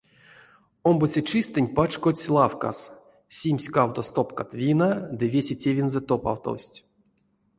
Омбоце чистэнть пачкодсь лавкас, симсь кавто стопкат вина — ды весе тевензэ топавтовсть.